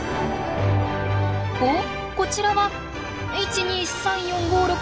おっこちらは１２３４５６。